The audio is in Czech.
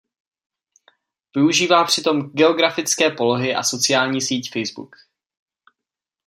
Využívá přitom geografické polohy a sociální síť Facebook.